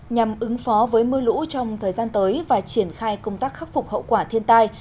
nhằm ứng phó với mưa lũ trong thời gian tới và triển khai công tác khắc phục hậu quả thiên tai